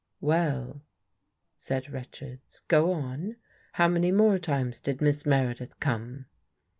" Well? " said Richards. " Go on. How many more times did Miss Meredith come?